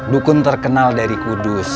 dukun terkenal dari kudus